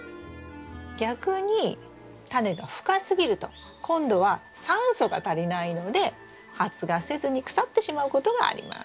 逆にタネが深すぎると今度は酸素が足りないので発芽せずに腐ってしまうことがあります。